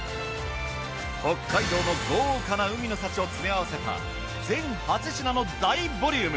北海道の豪華な海の幸を詰め合わせた全８品の大ボリューム。